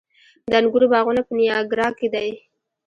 د انګورو باغونه په نیاګرا کې دي.